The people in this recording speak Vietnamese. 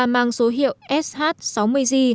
mang số hiệu sh sáu mươi z